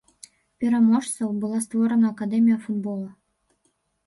Пераможцаў, была створана акадэмія футбола.